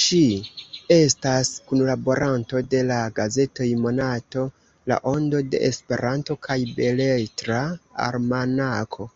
Ŝi estas kunlaboranto de la gazetoj Monato, La Ondo de Esperanto kaj Beletra Almanako.